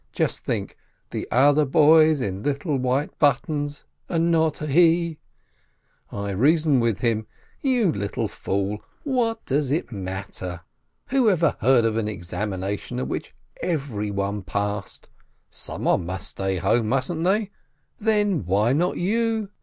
Just think : the other boys in little white buttons, and not he ! I reason with him : "You little fool! What does it matter? Who ever heard of an examination at which everyone passed? Somebody must stay at home, mustn't they ? Then why not you?